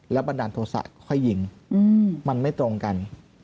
บันดาลโทษะค่อยยิงมันไม่ตรงกัน